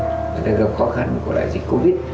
người ta gặp khó khăn của đại dịch covid